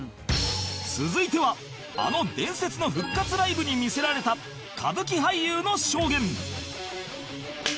続いてはあの伝説の復活ライブに魅せられた歌舞伎俳優の証言